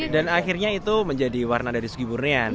dan akhirnya itu menjadi warna dari segi murnian